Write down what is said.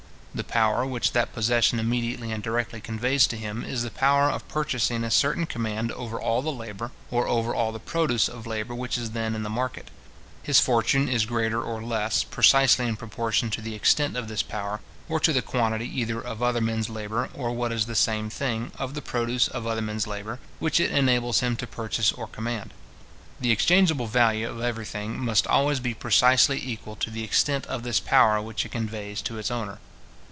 The power which that possession immediately and directly conveys to him, is the power of purchasing a certain command over all the labour, or over all the produce of labour which is then in the market. His fortune is greater or less, precisely in proportion to the extent of this power, or to the quantity either of other men's labour, or, what is the same thing, of the produce of other men's labour, which it enables him to purchase or command. The exchangeable value of every thing must always be precisely equal to the extent of this power which it conveys to its owner.